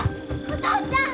お父ちゃん！